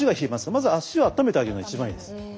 まずは足をあっためてあげるのが一番いいです。